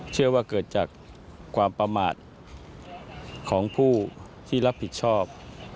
เชื่อว่าเกิดจากความประมาทของผู้ที่รับผิดชอบ